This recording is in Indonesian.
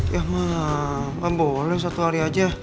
ya mah kan boleh satu hari aja